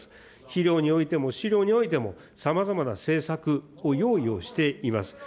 肥料においても、飼料においても、さまざまな政策を用意をしています。